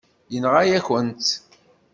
Yenɣa-yakent-tt.